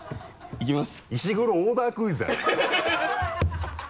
いきます。